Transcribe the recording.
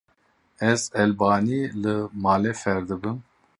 Ez elbanî li malê fêr dibim.